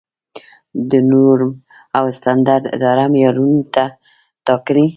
د نورم او سټنډرډ اداره معیارونه ټاکي؟